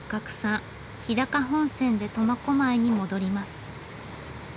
日高本線で苫小牧に戻ります。